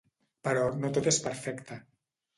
Però no tot és perfecte.